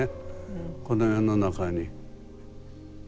この世の中に。